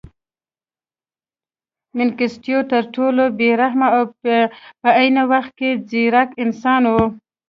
منګیسټیو تر ټولو بې رحمه او په عین وخت کې ځیرک انسان و.